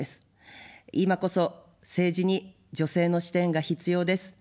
今こそ政治に女性の視点が必要です。